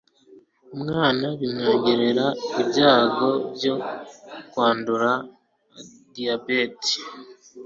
Umwana bimwangerera ibyago byo kwandura diabete